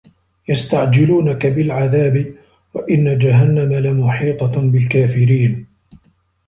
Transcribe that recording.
يَستَعجِلونَكَ بِالعَذابِ وَإِنَّ جَهَنَّمَ لَمُحيطَةٌ بِالكافِرينَ